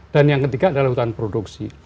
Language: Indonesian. dan yang ketiga adalah hutan produksi